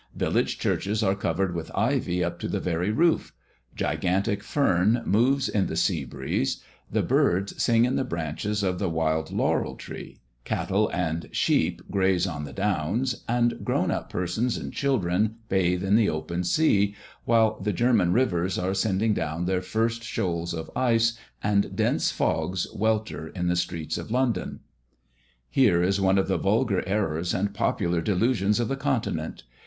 Village churches are covered with ivy up to the very roof; gigantic fern moves in the sea breeze; the birds sing in the branches of the wild laurel tree; cattle and sheep graze on the downs; and grown up persons and children bathe in the open sea, while the German rivers are sending down their first shoals of ice, and dense fogs welter in the streets of London. Here is one of the vulgar errors and popular delusions of the Continent.